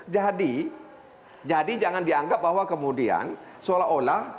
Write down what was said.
jadi jadi jangan dianggap bahwa kemudian seolah olah